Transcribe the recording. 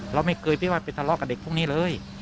เราไม่เคยคิดว่าไปทะเลาะกับเด็กพวกนี้เลย